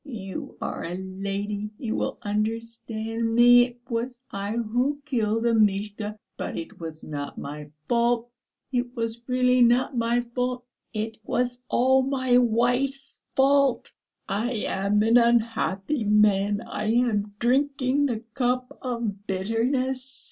"You are a lady, you will understand me.... It was I who killed Amishka.... But it was not my fault.... It was really not my fault.... It was all my wife's fault. I am an unhappy man, I am drinking the cup of bitterness!"